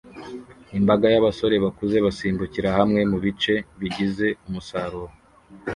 Imbaga y'abasore bakuze basimbukira hamwe mubice bigize umusaruro